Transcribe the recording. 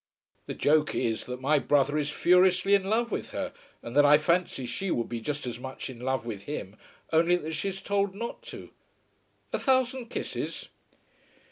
The joke is that my brother is furiously in love with her, and that I fancy she would be just as much in love with him only that she's told not to. A thousand kisses.